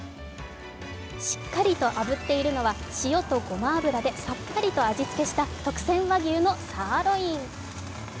しっかりとあぶっているのは塩とごま油でさっぱりと味つけたした特選和牛のサーロイン。